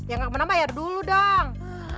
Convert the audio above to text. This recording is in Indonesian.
yang gak kebenar bayar dulu dong